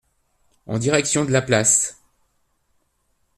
En direction de la place.